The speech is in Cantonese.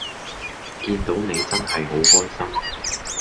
見到你真係好開心